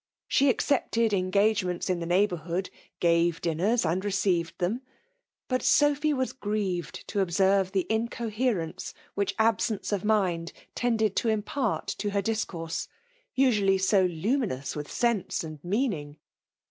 Sha accepted engagements in the ndghbonrho^ gate dinners and received them ;— bnt Sophy was grieved to observe the infx>hereiice which absence of mind tended to impart to her dis« amzsej usually so luminous with sense aad meaning.